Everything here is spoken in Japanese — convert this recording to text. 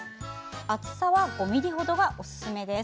厚さは５ｍｍほどがおすすめです。